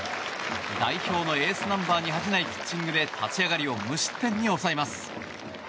代表のエースナンバーに恥じないピッチングで立ち上がりを無失点に抑えます。